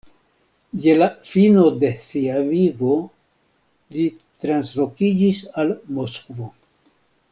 Je la fino de sia vivo li translokiĝis al Moskvo.